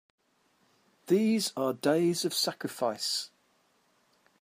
These are days of sacrifice!